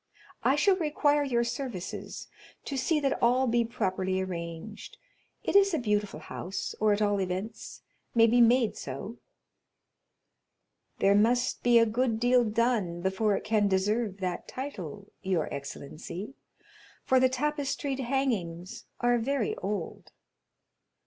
"I shall require your services to see that all be properly arranged. It is a beautiful house, or at all events may be made so." "There must be a good deal done before it can deserve that title, your excellency, for the tapestried hangings are very old."